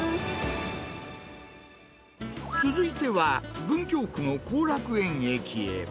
続いては、文京区の後楽園駅へ。